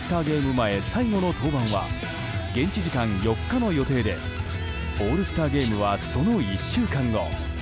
前最後の登板は現地時間４日の予定でオールスターゲームはその１週間後。